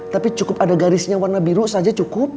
tapi cukup ada garisnya warna biru saja cukup